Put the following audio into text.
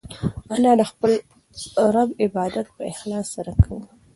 انا د خپل رب عبادت په اخلاص سره کاوه.